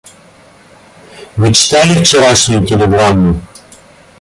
Вы читали вчерашнюю телеграмму?